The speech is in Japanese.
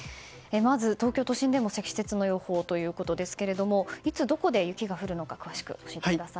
まず東京都心でも積雪の予報ということですけどもいつどこで雪が降るのか詳しく教えてください。